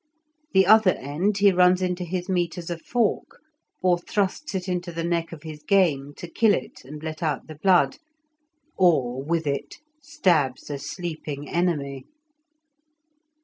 The other end he runs into his meat as a fork, or thrusts it into the neck of his game to kill it and let out the blood, or with it stabs a sleeping enemy.